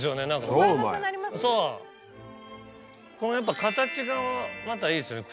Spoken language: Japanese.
このやっぱ形がまたいいですよね